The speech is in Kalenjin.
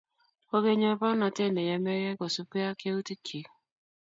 Kokenyor baornatet neyemei kosubjei ak yautik chik